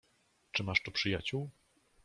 "Czy masz tu przyjaciół?"